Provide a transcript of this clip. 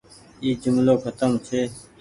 اي جملو کتم ڇي۔